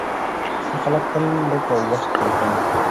ښه خلک تل لږ او وخت يې کم وي،